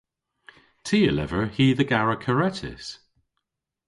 Ty a lever hi dhe gara karettys.